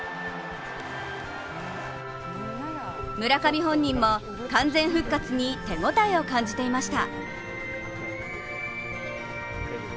村上本人も完全復活に手応えを感じていました。